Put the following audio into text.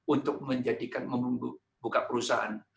untuk menjadikan membuka perusahaan